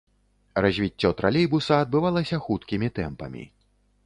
Развіццё тралейбуса адбывалася хуткімі тэмпамі.